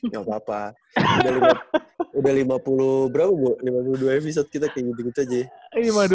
gak apa apa udah lima puluh berapa bu lima puluh dua episode kita kayak gitu gitu aja